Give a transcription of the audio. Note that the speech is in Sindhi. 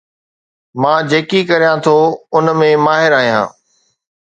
مان جيڪي ڪريان ٿو ان ۾ ماهر آهيان